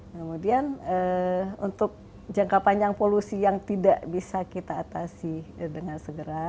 kemudian untuk jangka panjang polusi yang tidak bisa kita atasi dengan segera